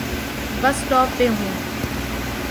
بس سٹاپ پہ ہوں۔